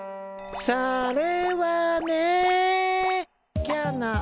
それはね。